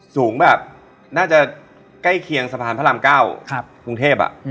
สูงแบบน่าจะใกล้เคียงสะพานพระราม๙กรุงเทพ